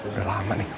udah lama nih